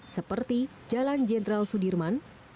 seperti jalan jenderal sudirman